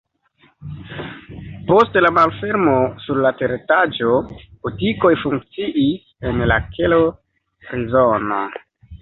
Post la malfermo sur la teretaĝo butikoj funkciis, en la kelo prizono.